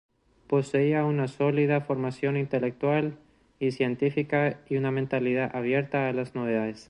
Poseía una sólida formación intelectual y científica y una mentalidad abierta a las novedades.